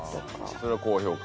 それは高評価？